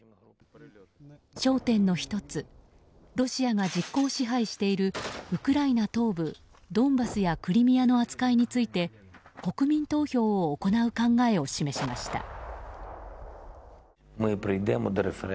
焦点の１つロシアが実効支配しているウクライナ東部ドンバスやクリミアの扱いについて国民投票を行う考えを示しました。